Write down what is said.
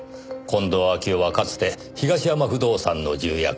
近藤秋夫はかつて東山不動産の重役。